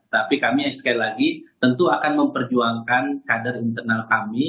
tapi kami sekali lagi tentu akan memperjuangkan kader internal kami